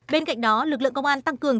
bên cạnh đó lực lượng công an tăng cường